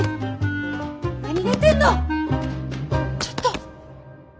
ちょっと。